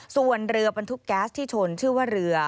ส่วนเรือบรรทุกแก๊สที่ชนชื่อว่าเรือ